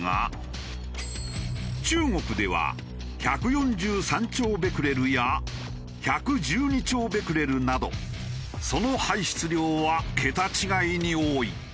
中国では１４３兆ベクレルや１１２兆ベクレルなどその排出量は桁違いに多い。